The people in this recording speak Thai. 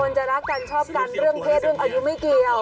จะรักกันชอบกันเรื่องเพศเรื่องอายุไม่เกี่ยว